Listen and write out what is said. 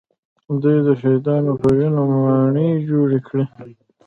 دوی د شهیدانو په وینو ماڼۍ جوړې کړې